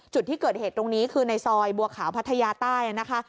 จุดที่เกิดเหตุตรงนี้คือในซอยบัวขาวพัทยาใต้นะคะ